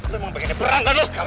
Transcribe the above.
lu emang pengen berang gak lu